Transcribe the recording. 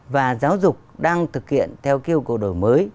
và giáo dục đang thực hiện theo yêu cầu đổi mới